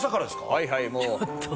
「はいはいもう」